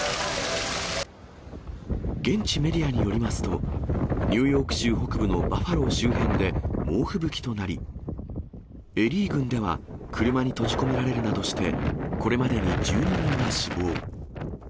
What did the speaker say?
現地メディアによりますと、ニューヨーク州北部のバファロー周辺で猛吹雪となり、エリー郡では車に閉じ込められるなどして、これまでに１２人が死亡。